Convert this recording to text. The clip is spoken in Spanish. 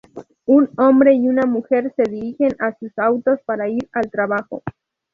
Un hombre y una mujer se dirigen a sus autos para ir al trabajo.